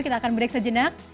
kita akan break sejenak